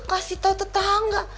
kasih tau tetangga